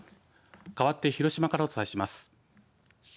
かわって広島からお伝えします。